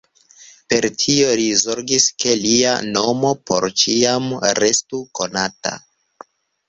Per tio li zorgis ke lia nomo por ĉiam restu konata.